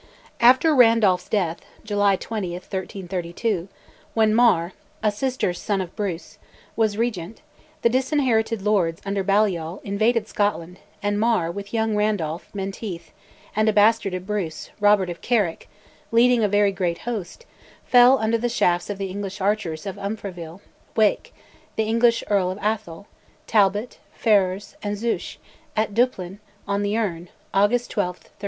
After Randolph's death (July 20, 1332), when Mar a sister's son of Bruce was Regent, the disinherited lords, under Balliol, invaded Scotland, and Mar, with young Randolph, Menteith, and a bastard of Bruce, "Robert of Carrick," leading a very great host, fell under the shafts of the English archers of Umfraville, Wake, the English Earl of Atholl, Talbot, Ferrers, and Zouche, at Dupplin, on the Earn (August 12, 1332).